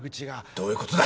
どういうことだ！？